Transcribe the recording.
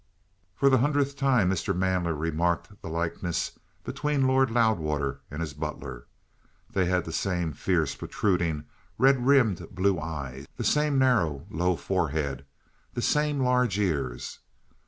For the hundredth time Mr. Manley remarked the likeness between Lord Loudwater and his butler. They had the same fierce, protruding, red rimmed blue eyes, the same narrow, low forehead, the same large ears.